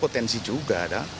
tensi juga kan